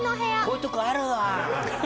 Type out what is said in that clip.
こういうとこあるわ！